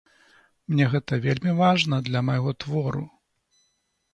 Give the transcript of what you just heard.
Мне гэта вельмі важна для майго твору.